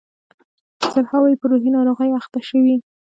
په زرهاوو یې په روحي ناروغیو اخته شوي.